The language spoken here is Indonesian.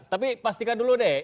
tapi pastikan dulu deh